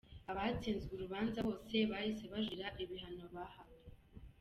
Abatsinzwe urubanza bose bahise bajuririra ibihano bahawe.